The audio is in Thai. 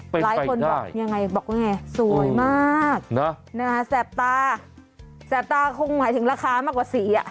ไปได้สวยมากแซปตาแซปตาคงไหลถึงราคามากกว่าสี่